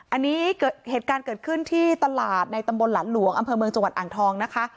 อันนี้เหตุการณ์เกิดขึ้นที่ตลาดในตำบลหลานหลวงอำเภอเมืองจังหวัดอ่างทองนะคะ